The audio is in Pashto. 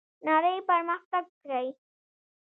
نړۍ پرمختګ کړی.